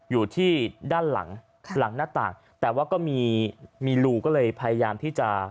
อยู่ที่ด้านหลังหลังหน้าต่างแต่ว่าก็มีมีรูก็เลยพยายามที่จะ